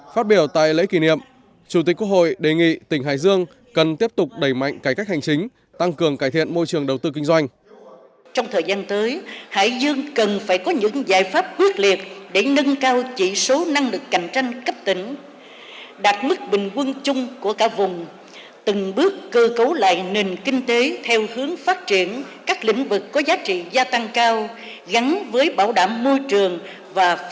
phát biểu tại lễ kỷ niệm chủ tịch quốc hội đề nghị tỉnh hải dương cần tiếp tục đẩy mạnh cải cách hành chính tăng cường cải thiện môi trường đầu tư kinh doanh